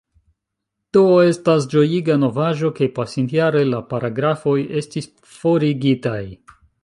Do estas ĝojiga novaĵo, ke pasintjare la paragrafoj estis forigitaj.